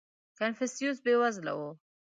• کنفوسیوس بېوزله و.